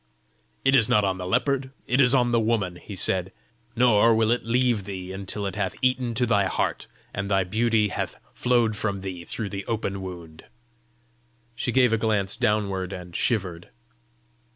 "It is not on the leopard; it is in the woman!" he said. "Nor will it leave thee until it hath eaten to thy heart, and thy beauty hath flowed from thee through the open wound!" She gave a glance downward, and shivered.